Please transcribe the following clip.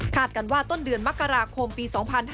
กันว่าต้นเดือนมกราคมปี๒๕๕๙